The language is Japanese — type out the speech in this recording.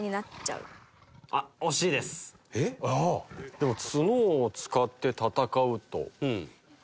でもツノを使って戦うと。